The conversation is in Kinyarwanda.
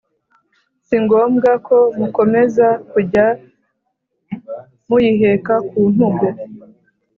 Si ngombwa ko mukomeza kujya muyiheka ku ntugu